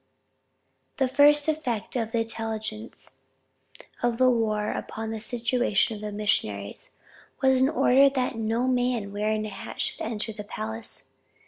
The first effect of the intelligence of the war upon the situation of the missionaries, was an order that no man wearing a hat should enter the palace.